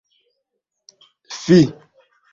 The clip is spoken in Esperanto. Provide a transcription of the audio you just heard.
fi